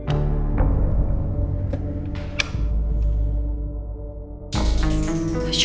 aduh bapak telfon apa apa deh